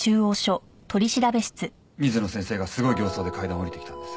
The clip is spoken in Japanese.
水野先生がすごい形相で階段を下りてきたんです。